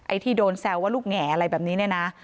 ที่โดนแซวว่าลูกแหงอะไรแบบนี้เนี่ยนะ